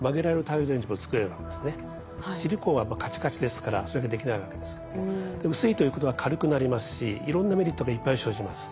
シリコンはカチカチですからそれができないわけですけども薄いということは軽くなりますしいろんなメリットがいっぱい生じます。